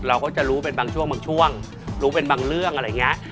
เราก็จะรู้เป็นบางช่วงบางช่วงรู้เป็นบางเรื่องอะไรอย่างนี้